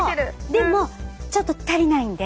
でもちょっと足りないんで。